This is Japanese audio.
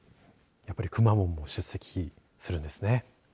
やっぱり、くまモンも出席するんですね。